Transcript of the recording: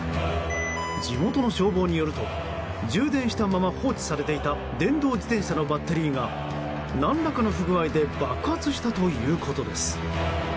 地元の消防によると充電したまま放置されていた電動自転車のバッテリーが何らかの不具合で爆発したということです。